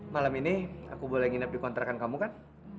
malam ini aku boleh nginep di kontrakan kamu kan